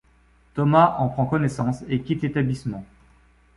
Thomas en prend connaissance et quitte l'établissement.